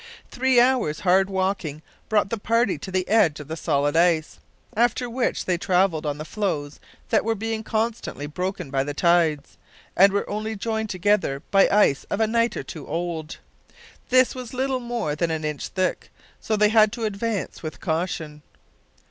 Three hours' hard walking brought the party to the edge of the solid ice, after which they travelled on the floes that were being constantly broken by the tides, and were only joined together by ice of a night or two old. This was little more than an inch thick, so they had to advance with caution.